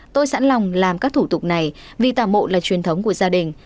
tôi sẵn lòng làm các thủ tục này vì tà mộ là truyền thống của gia đình